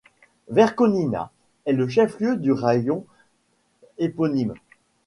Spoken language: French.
Verkhonyna est le chef-lieu du raïon éponyme.